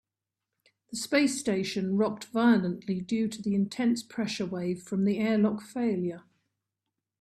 The space station rocked violently due to the intense pressure wave from the airlock failure.